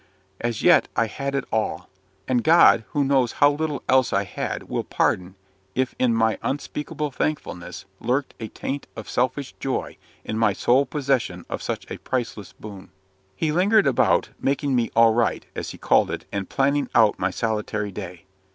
As yet, I had it all. And God, who knows how little else I had, will pardon, if in my unspeakable thankfulness lurked a taint of selfish joy in my sole possession of such a priceless boon. He lingered about, making me "all right," as he called it, and planning out my solitary day.